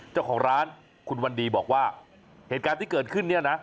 เจ้าของร้านคุณวันดีบอกว่าเหตุการณ์ที่เกิดขึ้นเนี่ยนะ